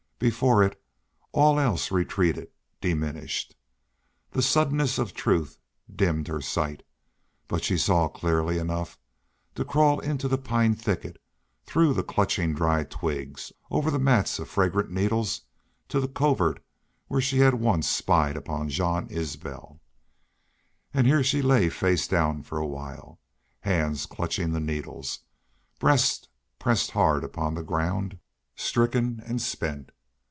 Before it all else retreated, diminished. The suddenness of the truth dimmed her sight. But she saw clearly enough to crawl into the pine thicket, through the clutching, dry twigs, over the mats of fragrant needles to the covert where she had once spied upon Jean Isbel. And here she lay face down for a while, hands clutching the needles, breast pressed hard upon the ground, stricken and spent.